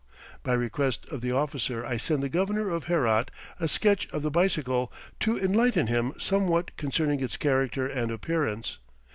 By request of the officer I send the governor of Herat a sketch of the bicycle, to enlighten him somewhat concerning its character and appearance.